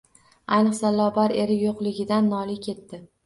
Ayniqsa, Lobar eri yo`qligidan noliy ketdi